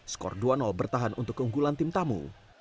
skor dua bertahan untuk keunggulan tim tamu